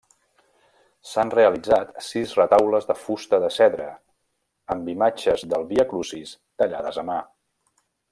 S'han realitzat sis retaules de fusta de cedre, amb imatges del viacrucis, tallades a mà.